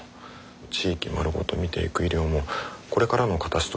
地域まるごと診ていく医療もこれからの形としては面白い。